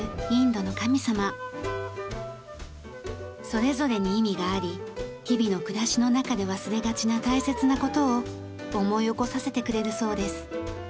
それぞれに意味があり日々の暮らしの中で忘れがちな大切な事を思い起こさせてくれるそうです。